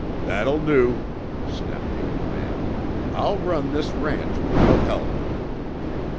"That'll do," snapped the old man. "I'll run this ranch without help."